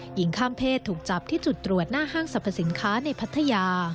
หญิงข้ามเพศถูกจับที่จุดตรวจหน้าห้างสรรพสินค้าในพัทยา